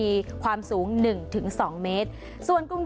ฮัลโหล